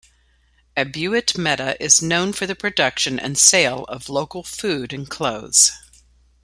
Ebute Metta is known for the production and sale of local food and cloths.